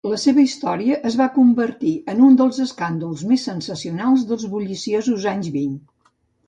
La seva història es va convertir en un dels "escàndols" més sensacionals dels bulliciosos anys vint.